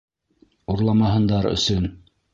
Урламаһындар өсөн.